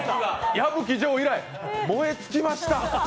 矢吹丈以来、燃え尽きた。